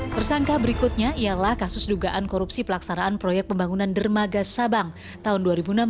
tersangka berikutnya ialah kasus dugaan korupsi pelaksanaan proyek pembangunan dermaga sabang tahun dua ribu enam belas